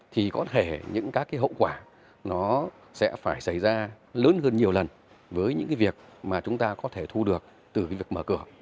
thì có thể những hậu quả sẽ phải xảy ra lớn hơn nhiều lần với những việc mà chúng ta có thể thu được từ việc mở cửa